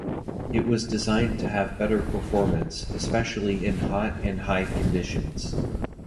It was designed to have better performance especially in hot and high conditions.